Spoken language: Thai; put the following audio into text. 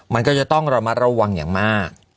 มันก็จะต้องระมัดระวังอย่างมาก